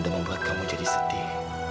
dan membuat kamu jadi setih